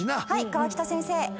河北先生。